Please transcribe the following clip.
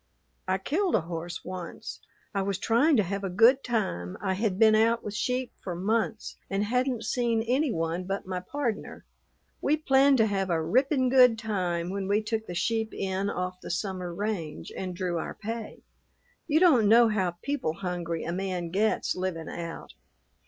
"I killed a horse once. I was trying to have a good time. I had been out with sheep for months and hadn't seen any one but my pardner. We planned to have a rippin' good time when we took the sheep in off the summer range and drew our pay. You don't know how people hungry a man gets livin' out.